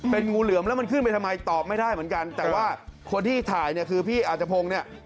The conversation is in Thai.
เป็นงูเหลือมแล้วมันขึ้นไปทำไมตอบไม่ได้เหมือนกันแต่ว่าคนที่ถ่ายเนี่ยคือพี่อาจจะพงศ์เนี่ย